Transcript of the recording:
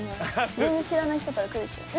全然知らない人からくるでしょ？